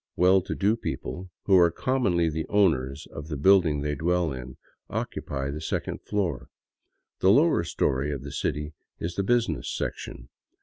Well to do people, who are commonly the owners of the building they dwell in, occupy the second floor. The lower story of the city is the business section.